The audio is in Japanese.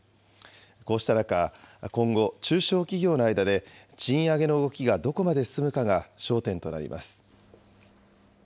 こうした中、今後、中小企業の間で賃上げの動きがどこまで進むかが焦点となります。